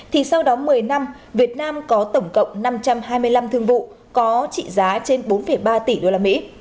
thì sau đó một mươi năm việt nam có tổng cộng năm trăm hai mươi năm thương vụ có trị giá trên bốn ba tỷ đô la mỹ